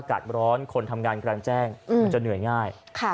อากาศร้อนคนทำงานกลางแจ้งมันจะเหนื่อยง่าย